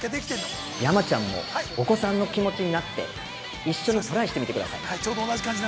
山ちゃんもお子さんの気持ちになって一緒にトライしてみてください。